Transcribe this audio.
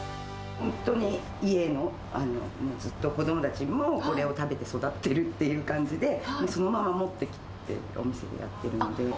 本当に家のを、もうずっと子どもたちも、これを食べて育ってるって感じで、そのまま持ってきて、お店でやってるので。